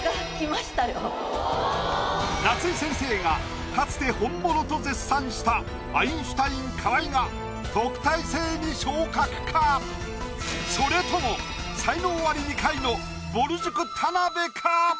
夏井先生がかつて本物と絶賛したアインシュタイン河井がそれとも才能アリ２回のぼる塾田辺か？